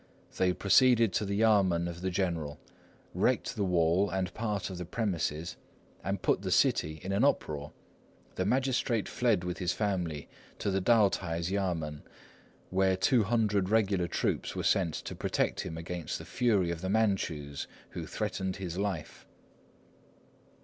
They proceeded to the yamên of the general, wrecked the wall and part of the premises, and put the city in an uproar. The magistrate fled with his family to the Tao t'ai's yamên, where two hundred regular troops were sent to protect him against the fury of the Manchus, who threatened his life."